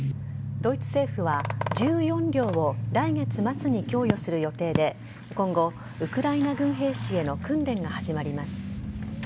ドイツ政府は１４両を来月末に供与する予定で今後、ウクライナ軍兵士への訓練が始まります。